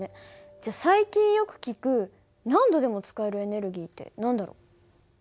じゃあ最近よく聞く何度でも使えるエネルギーって何だろう？